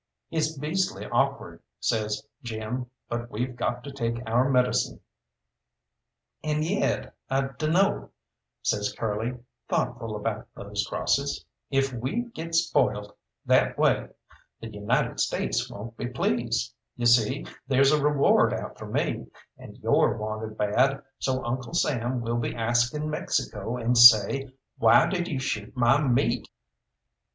"It's beastly awkward," says Jim, "but we've got to take our medicine." "And yet I dunno," says Curly, thoughtful about those crosses; "if we get spoilt that way, the United States won't be pleased. You see, there's a reward out for me, and yo're wanted bad, so Uncle Sam will be asking Mexico, and say, 'Why did you shoot my meat?'"